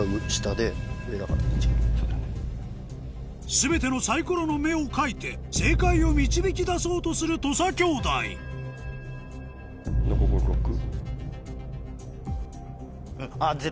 全てのサイコロの目を描いて正解を導き出そうとする土佐兄弟じゃあ